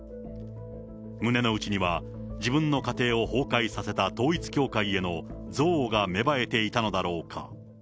胸の内には、自分の家庭を崩壊させた統一教会への憎悪が芽生えていたのだろうか。